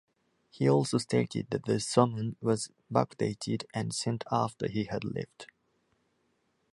He also stated that the summon was backdated and sent after he had left.